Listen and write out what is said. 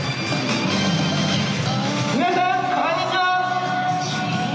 皆さんこんにちは！